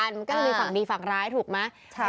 มันก็จะมีฝั่งดีฝั่งร้ายถูกไหม